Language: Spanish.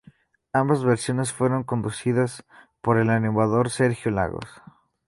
Ambas versiones fueron conducidas por el animador Sergio Lagos.